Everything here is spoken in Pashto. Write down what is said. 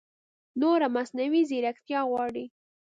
نوره مصنعوي ځېرکتیا غواړي